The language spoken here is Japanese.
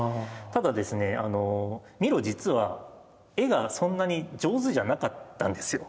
ただですねミロ実は絵がそんなに上手じゃなかったんですよ。